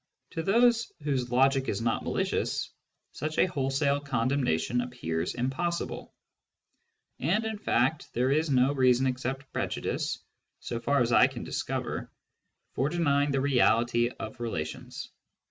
To those whose logic is not malicious, such a wholesale condemna tion appears impossible. And in fact there is no reason ' except prejudice, so far as I can discover, for denying the reality of relations.